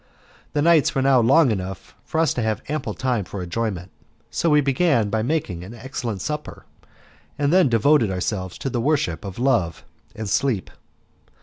The nights were now long enough for us to have ample time for enjoyment, so we began by making an excellent supper, and then devoted ourselves to the worship of Love and Sleep.